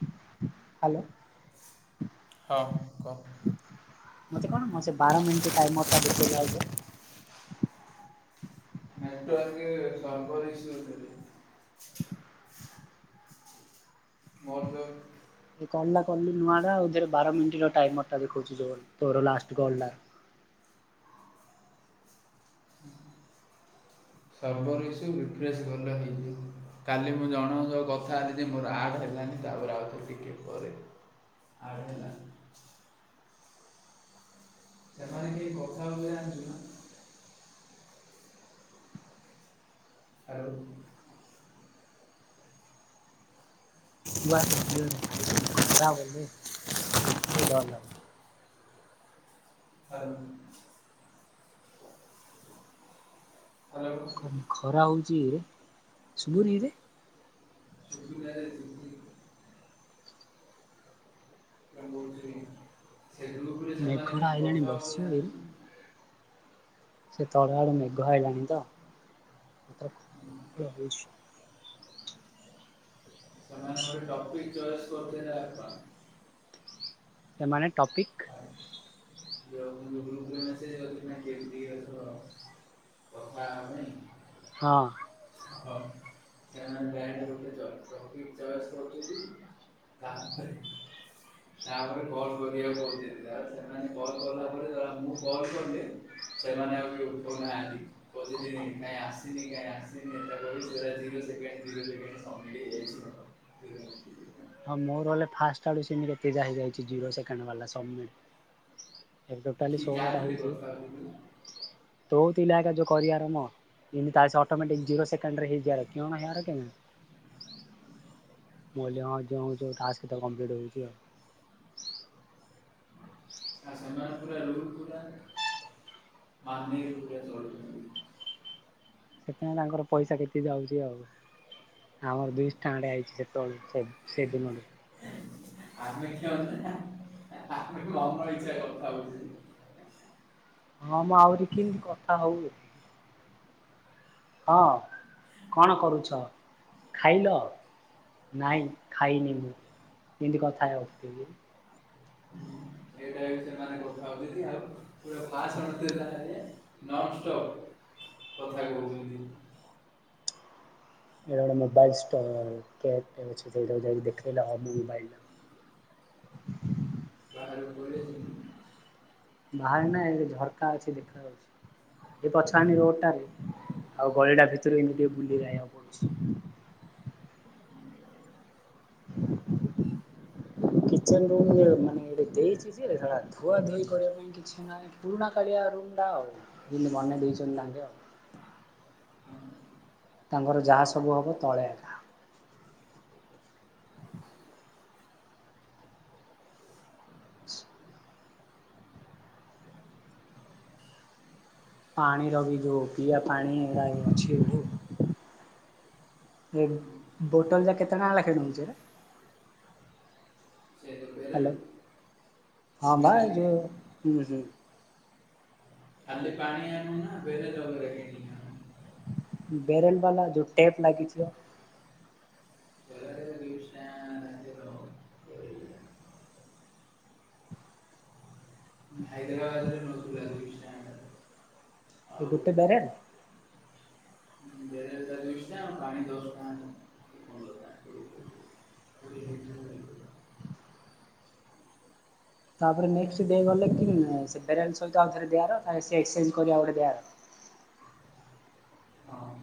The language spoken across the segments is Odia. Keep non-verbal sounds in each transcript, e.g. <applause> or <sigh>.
ହ୍ୟାଲୋ। ହଁ କହ। ମତେ କଣ ମ ସେବାର ମିନିଟ ଟାଇମର ଟା ବେଖେଇଲେ ଆଜ୍ଞା। ନେଟୱର୍କ ସର୍ଭ ଇସୁ ବୋଧେ। ମୋର ତ ଏକଲ ଟା କଲି ନୂଆଟା ଏଥିରେ ବାର ମିନିଟ ଟାଇମର ଦେଖଛି ତୋର ଲାଷ୍ଟ କଲ୍ ଟା <inaudible> <inaudible> ସର୍ଭର୍ ସବୁ ରିଫ୍ରେଶ୍ ଭଲ ହେଇଯିବ କାଲି ମୁଁ ଜଣ ସହ କଥା ହୋରଛି ମୋର ଆଡ଼୍ ହେଲାନି ତାପରେ ଆଉଥରେ ଟିକେ ପରେ ଆଡ଼୍ ହେଲା। ସେମାନେ କେଇ କଥା ହୋଇନାହାନ୍ତି? ଆଉ କୁଆଡେ ଯିବରେ ଭାଇକି ଖରା ବୋଇଲେ ଦେଖିଲେ ଡର ଲାଗୁଛି। ଆଉ ହ୍ୟାଲୋ କଣ ଖରା ହଉଛି ଶୁଭୁନି ଇରେ ଶୁଭିଲା ଯେ ଶୁଭିଲା କଣ କହୁଛି ସେ ଗ୍ରୁପରେ ସେମାନେ ମେଘଡ଼ କେହି ଆଇଲାଣି କଥା ହଉଥିଲେ ବର୍ଷିଓଏ ଜାଣିଛୁ ନା ସେ ତଳେ ଆଳୁ ମେଘ ହେଇଲାଣି ତ ଟପି କି ଚ ଏସେ କରିଚନ୍ତି ଏ ଆତ୍ମ। ସେମାନେ ଟପିକ୍ ଏଇନା କେମିତି ଅଛ କଥା ହବନି ହଁ। ଟପି କି ଚ ଏସେ କରୁଛନ୍ତି ତାଆ ଅନୁସାରେ। ତାପରେ କଲ କରିବାକୁ ଚିନ୍ତା ସେମାନେ କଲ୍ କଲା ପରେ ଜଣା ମୁଁ କଲ କଲି ସେମାନେ ଆଉ କିଏ ଉଠଉନାହାନ୍ତି କହୁଛନ୍ତି କାଇଁ ଆସିନି କାଇଁ ଆସିନି ସେ କାନି ସେ କାନି ସବମିଟ ହେଇଯାଇଛି। ହଁ ମୋର ହେଲେ ଫାଷ୍ଟ ଆଡୁ ସେମିତି କେତେଜାକ ହେଇଯାଇଛି ଜିରୋ ସେକେଣ୍ଡ ବାଲା ସବମିଟି। ଏବେ ଟୋଟାଲି କି ଷୋଳ ଟା କାହାଥିଲେ ହେଇଛି କଥା କହିଲୁ ତୋ ଥିଲା ଆକା କରିଆର ମ ତାଶେ ଅଟୋମାଟିକ ଜିରୋ ସେକେଣ୍ଡ ହେଇଜିଆର କିଅଣ ହେବାର। <inaudible> ମୁଁ କାଲି ହିଁ ଯେଉଁ ଟାସ୍କ କେତେ ଟା କଂପ୍ଲିଟ ହଉଛି ଆଉ। ଆ ସୋନା ପୁରା ରୁଲ ପୁରା। <unintelligible> ସେଥିାଇଁ ତାଙ୍କର ପଇସା କେତେ ଯାଉଛି ଆଉ ଆମର ଦୁଇଶହ ଟଙ୍କା ଟେ ଆଇଛି ସେତେବେଳୁ ସେ ଦିନ ଠୁ। ଆମେ ଖେଳୁ ଚେନା? ଆପଣ ମନ ଇଚ୍ଛା କଥା ହଉଛି। ହଁ ମୁଁ ଆହୁରି କେମିତି କଥା ହଉଏ। ହଁ କଣ କରୁଛ ଖାଇଲ? ନାଇଁ ଖାଇନି ମୁଁ ଏମିତି କଥା ହେବିକିରେ ସେମାନେ କଥା ହେଉଚିତି ଆଉ ପୁରା ଭାଷଣ ଦେଲା ଭଳିଆ। ନନ୍ଷ୍ଟପ୍ କଥା କହୁଛନ୍ତି। ମୋବାଇଲ ସ୍ଟଲ କେୟାର ଟେ ଅଛି ଯାଇକି ଦେଖାଇଲେ ହବ ମୋବାଇଲ ଟା। <inaudible> <unintelligible> ବାହାରେ ନାଁ ଏ ଝରକା ଅଛି ଦେଖା ଯାଉଛି ଏ ପଛକାନି ରୋଡ ଟାରେ। ଆଉ ଗଳିଟା ଭିତରୁ ଏମତି ଟିକେ ବୁଲି ଆାଇିବାକୁ ପଡୁଛି। <inaudible> କିଚେନ ରୁମ୍ ଗୁଡ଼େ ମାନେ ଓଟେ ଦେଇଚି ଯେ, ହେଳା ଧୁଆଧୁଇ କରିବା ପାଇଁ କିଛି ନାହିଁ ପୁରୁଣା କାଳିଆ ରୁ ଟା ଆଉ ଯେମିତି ବନେଇ ଦେଇଚନ୍ତି ତାଙ୍କେ ଆଉ। ତାଙ୍କର ଯାହା ସବୁ ହବ ତଳେ ଏକା। ପାଣିର ବି ଯୋଉ ପିଇବା ପାଣି ଏରା ଏ ଅଛି ଏଠୁ। ଏ ବୋଟଲ୍ ଯା କେତେ ଟଙ୍କା ଲାଖେ ନୋଉଚି ଏରା? ସେ ଯୋଉ ବେରେଲ ହାଲୋ ହଁ ପା ଏ ବେରେଲ କି ଯୋଉ <unintelligible> ଖାଲି ପାଣି ଆଣିବୁ ନାଁ ବେରେଜ୍ ଅଲ୍ <unintelligible> ବେରେଲ୍ ବାଲା ଯୋଉ ଟେପ୍ ଲାଗିଚେ। ବେରେଲରେ ଦୁଇ ଷ୍ଟାଣ୍ଡ ହାଇଦରାବାଦରେ ନୋଟୁ ଲାଗୁଚି। ଏ ଗୋଟେ ବାରେଲ୍? ବେରେଲଟା ଦୁଇ ଷ୍ଟାଣ୍ଡ ପାଣି ଦଶଟା ଆଣିଲେ। କୋଡ଼ିଏ ଟଙ୍କା। କୋଡ଼ିଏ ଟଙ୍କା। ତାପରେ ନେକ୍ସଟ ଡେ ଗଲେ କିନ୍ ସେ ବେରେଲ ସହିତ ଆଉ ଥରେ ଦିବାର ତାର ସେ ଏକ୍ସଚେଞ୍ଜ୍ କରି ଆଉ ଗୋଟେ ଦିଆର। <inaudible> ହଁ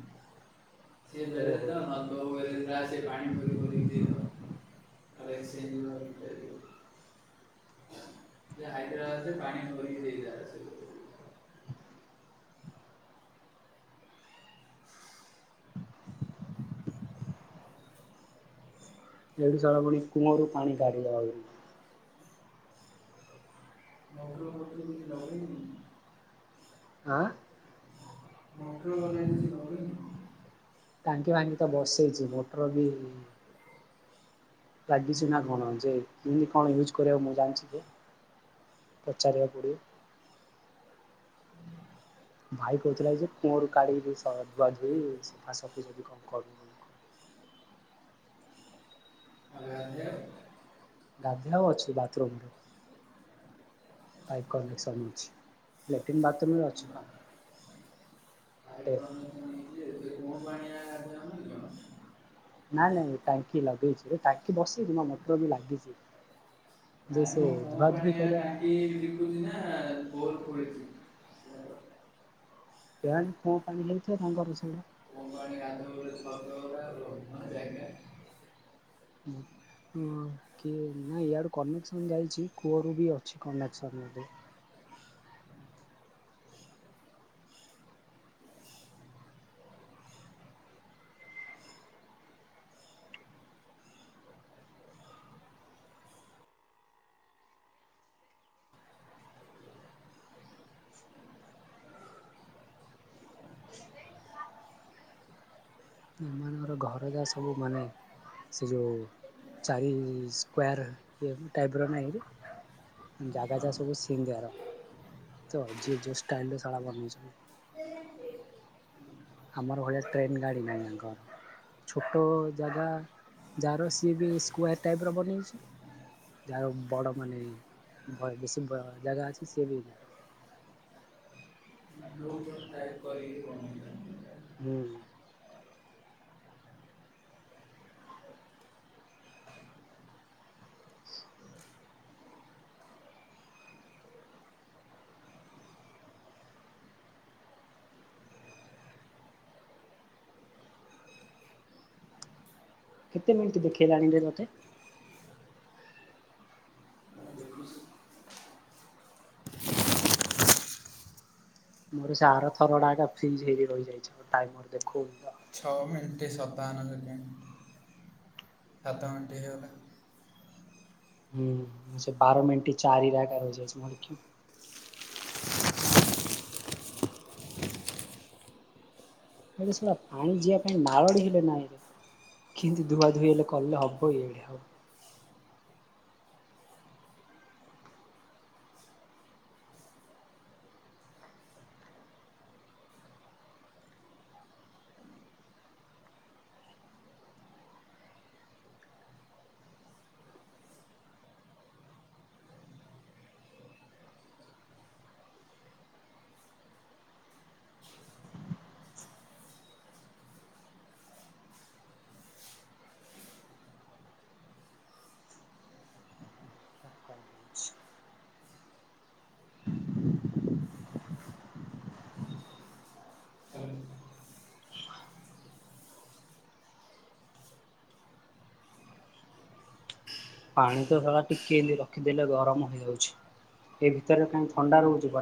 ସିଏ ବେରେଲ ଓହୋ ଦବ ତୋ ବେରେଲ୍ ଯାହା ଅଛି ପାଣି ଫେରେ ପୁରେଇକି ଦେଇଦବ। ଆରେ ସେଇ ଯୋଉ <inaudible> ଯେ ହାଇଦ୍ରାବାଦରେ ପାଣି ଭରିକି ଦେଇଥାଏ। ଏଇଠି ଶଳା ପୁଣି କୁଅଁରୁ ପାଣି କଡ଼ିବ ଆହୁରି। ସେମିତି ଦବ ହିଁ ନାହିଁ। ଆଁ? ମଟର ଲଗେଇଦେଇଚି ଘରେ। ଟାଙ୍କି ଫାଙ୍କି ତ ବସେଇଚି ମଟର ବି ଲାଗିଚି ନାଁ କଣ ଯେ କେମିତି କଣ ୟୁଜ୍ କରିବା ମୁଁ ଜାଣିଚି କି? ପଚାରିବା ପଡ଼ିବ। ଭାଇ କୋହୁଥୁଲେ ଆଜି କୂଅରୁ କାଢ଼ିକି ସ ଧୁଆ ଧୁଇ ସଫାସଫି ଯଦି କଁ କରିବୁ ବୋଲି। <unintelligible> ଆ ଗାଧେଆବା ଗାଧେଇବାକୁ ଅଛି ବାଥରୁମ୍ ଟେ। ପାଇପ୍ କନେକ୍ସନ୍ ଅଛି ଲାଟିନ୍ ବାଥରୁମ୍ ରେ ଅଛି ପା ପାଇପ୍ କନେକ୍ସନ୍ ହେଇଚି ଯେ ସେ କୋଉ ପାଣିଆ <unintelligible> କଣ। ନାଇଁ ନାଇଁ ଏ ଟାଙ୍କି ଲଗେଇଚି ଯେ ଟାଙ୍କି ବସେଇକିନା ମଟର ବି ଲାଗିଚି। ଯେ ସେ ଧୁଆ ଧୁଇ କରିବା ନାଁ ଏ ଯେ କୁଜି କେଇଆଣି କୂଅ ପାଣି ହେଇଥିବ ତାଙ୍କର ସେଉଡ଼ା। କୂଅ ହଁ ପ୍ରାଏ ସେଇଆ। ହୁଁ। ହଁ କିଏ ନାଁ ଇଆଡ଼ୁ କନେକ୍ସନ୍ ଯାଇଚି କୂଅରୁ ବି ଅଛି କନେକ୍ସନ ଏବେ। ଏମାନଙ୍କର ଘର ଯାହା ସବୁ ମାନେ ସେ ଯୋଉ ଚାରି ସ୍କୋୟାର ଇଏ ଟାଇପ୍ ର ନାଇଁ କି? ଜାଗା ଯାକ ସବୁ ସିଂ ଦିଅର ତ ଯିଏ ଯୋଉ ଷ୍ଟାଇଲ୍ ରେ ସଳା ବନେଚନ୍ତି। <inaudible> ଆମର ଭଳିଆ ଟ୍ରେନ୍ ଗାଡ଼ି ନାହିଁ ଆଙ୍କର। ଛୋଟ ଜାଗା ଯାହାର ସିଏ ବି ସ୍କୋୟାର୍ ଟାଇପ୍ ର ବନେଇଚି। ଯାହାର ବଡ଼ ମାନେ ଭ ବେଶୀ ଭ ଜାଗା ଅଛି ସିଏ ବି <inaudible> ହୋଉ ମତେ ଟାଇପ୍ କରିକି <inaudible> ହୁଁ। କେତେ ମିଣ୍ଟି ଦେଖେଇଲାଣି ରେ ମତେ? ମୋର ସେ ଆରଥରଟା ଆକା ଫ୍ରିଜ୍ ହେଇକି ରହିଯାଇଚଛି ମୋ ଟାଇମର୍ ଦେଖୋଉନି ତ। ଛଅ ମିଣ୍ଟି ସତାଅନ ସେକେଣ୍ଡ୍ ସାତ ମିଣ୍ଟି ହେଇଗଲା। ହୁଁଛେ ବାର ମିନଟ ଚାରି ରାକାର ରଯାଇଛି ମର ସେ ସେଟା ପାଣି ଯିବା ପାଇଁ ନାଳଡି ହେଲେ ନାଇ ରେ। କିନ୍ତୁ ଧୁଆ ଧୁଇ ହେଲେ କଲେ ହବ ଇଡେ ହଉ। ହୁ। <inaudible> ପାଣି ତ ଶଳା ଟିକେ ଏ ରଖିଦେଲେ ଗରମ ହେଇଯାଉଛି। ଏ ଭିତରେ କା ଥଣ୍ଡା ରହୁଛି <unintelligible>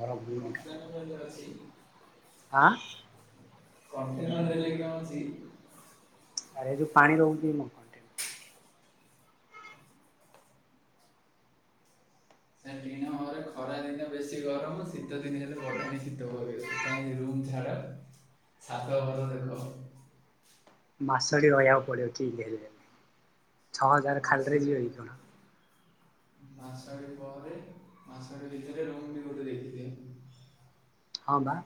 ଗରମ <unintelligible> ଆ <unintelligible> ଆରେ ଯଉ ପାଣି ରହୁ ଯାଉ ଚି ମ ନା ଟିଣ ଘରେ ଖରା ଦିନ ବେଶୀ ଗରମ ଶୀତ ଦିନ ହେଲେ ବଢାଣି ଶୀତହିଁକ ରୁମ ଝାଡା ସାତ ଘର ଦେଖ ମାସଟି ରହିବାକୁ ପଡିବ କି ଛଅ ଆଉ ହଜାର ଖାଲିରେ ଟାରେ ମାସଟି ଯିବ ନା କଣ। ମାସଟି ପରେ ମାସଟି ଭିତରେ ରୁମ୍ ବି ଗୋଟେ ଦେଖିଦିଅ ହଁ ବା।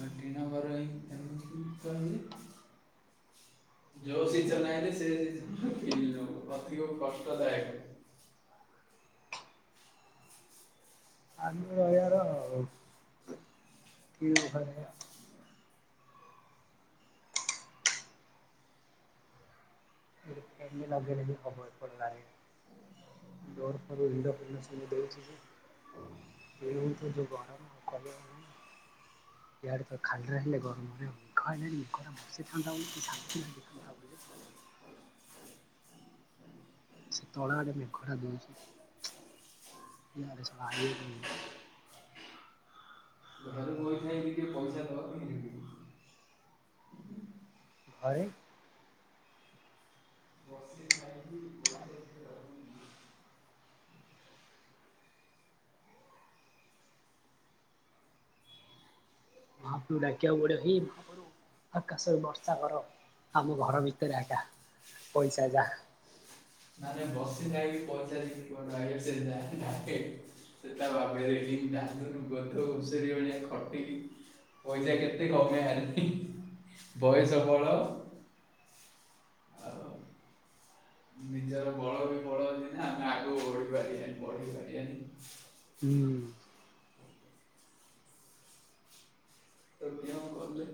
ଆଉ ଟିଣ ଘର ହିଁ ଏମିତି କହିଲେ ଯୋଉ ସିଜନ ସେ ଅଧିକ କଷ୍ଟଦାୟକ। ଆ ରଜାରଉ ଠ ଫମ ଲଗି ଖବର ପିବାରେ <unintelligible> କଉ ଗରମ କହିଆକୁ ନାହିଁ। ଇଆଡେ ତ ଖାଲିରେ ହେଲେ ଗରମରେ ମେଘ ହେଲାଣି ନିଘ ଟା ବର୍ଷିଥାନ୍ତା ବୋଲି କି ଶାନ୍ତି ଲାଗିଥାନ୍ତା ବୋଲି। <inaudible> ସେ ତଳ ଆଡେ ମେଘଟା ଦେଉଛି। ରେ ସ <unintelligible> ଘରେ ବଇଥାଇକି ଟିକେ ପଇସା ଦବ ମିଳିବି। ଘରେ ବସି ଖାଇକି ପଇସା ଟିକେ ରହୁନି। ମହାପଭ ଡାକ ବଡ ହେଇ ମହାପଭୁ ଆକାଶ ବର୍ଷା କର ଆମ ଘର ଭିତରେ ଆଗା ପଇସା ଯା ନାନେ ବସି ଖାଇକି ପହଚାରିକି କଣ ସେ <unintelligible> ଡାରୁ ଗୋଧଷରୀ ଭଳିଆ ଖଟିକି ପଇସା କେତେ କମ ହେନ ବୟସ ବଳ ଆଉ ନିଜର ବଳ ବି ବଳ ଅଛି ନା ଆମେ ଆଗକୁ <unintelligible> ହୁଁ। ତ କେଉଁ କଲେ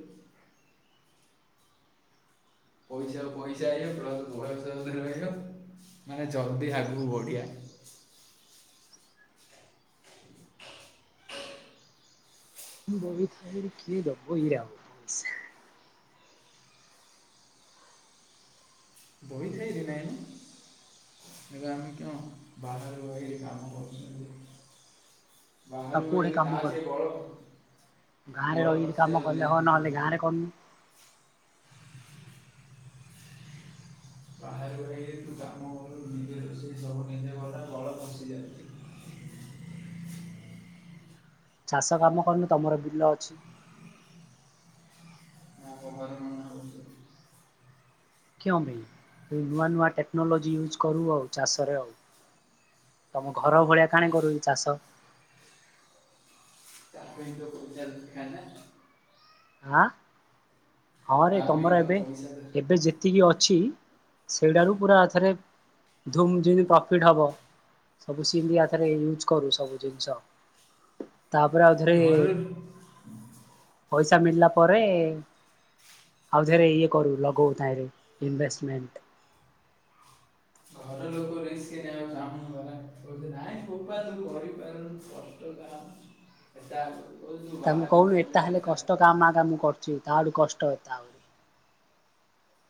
ପଇସା ପଇସା ହେଇ ପ୍ଲସ୍ ବୟସ ରହିବ ମାନେ ଜଲ୍ଦି ଆଗକୁ ବଢ଼ିଆ। <inaudible> ଁ ବବିଥା କି ଦ ବହି ରାହୁ ବ <unintelligible> ବହି ଥାଏ ର ନାୟଣ ଏଗ ଆମ କଁ ବାହାରରେ କାମ <unintelligible> ବାହ ରେ ତାସ ବଳ ଗାଁରେ ବଳ ରହିକି ଖସି କାମ ଯାଉଛି କଲେ ହଉ ଜାଣିଛୁ ନା ନହେଲେ ନାଇଁ? ଗାଁରେ କରନୁ। ବାହାରୁ ହେ ତୁ କାମୁ ନିଜେ ରୋଷେଇ ସବୁ ନିଜେ କଥା ବଳ ବଶଯାନ୍ତି। <inaudible> ଚାଷ କାମ କରନୁ ତମର ବିଲ ଅଛି। <unintelligible> କେ ଭାଇ ତ ନୂଆ ନୂଆ ଟେକ୍ନୋଲୋଜି ୟୁଜ କରୁ ଆଉ ଚାଷରେ ଆଉ। ତମ ଘର ଭଳିଆ କାଣି କରୁ ଚାଷ। ଚାକୁୋଇଜ ଖ ନ ଆଁ ହଁରେ ତା ପାଇଁ ତମର ତ ଏବେ ପଇସା ଦରକାର ଏବେ ଯେତିକି ଅଛି ସେଇଟାରୁ ପୁରା ଏଥରେ ଧମମିତି ପ୍ରଫିଟ ହବ। ସବୁ ସିଧିଆଥରେ ୟୁଜ କରୁ ସବୁ ଜିନିଷ ତାପରେ ଆଉଥରେ ଘରେ ପଇସା ମିଳିଲା ପରେ ଆଉଥରେ ଇଏ କରୁ ଲଗୋଉ ତାହିଁରେ ଇନଭେଷ୍ଟମେଣ୍ଟ। <inaudible> ଯୋଉ ରିଷ୍କି ନେବାକୁ ଚାହୁଁନି ଗଲା କୋହୁଚି ନାଇଁ। <unintelligible> <unintelligible> ତାଙ୍କୁ ବାହାରୁ କୋହୁନୁ ଘରେ ଏତା ଯା ହେଲେ ଏଟା କଷ୍ଟ କହୁଛି କାମ ଆ କାମ କରୁଛି ତାଆଡୁ କଷ୍ଟ ଏତା ଆହୁରି।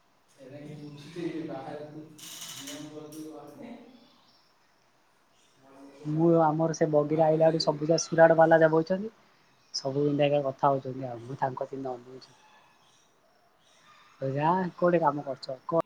<unintelligible> <inaudible> ଘର ଲୋକ ମୁଁ ବାହା- ଆମର ସେ ବଗିରେ ଆଇଲା ଭାବୁଛି ଆଡୁ ଯେ ସବୁ ଯା ସୁରାଡ ବାଲା ଯା ବଇଚନ୍ତି। ସବୁ ହିନ୍ତୀ ଆଜ୍ଞା କଥା ହୋଉଚନ୍ତି ଆଉ ମୁଁ ତାଙ୍କ ଠୀ ଅନେଇଚି। ଓଜା କୋଉଠି କାମ କରୁଚ କୋ